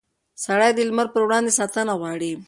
سړي د لمر پر وړاندې ساتنه غواړي.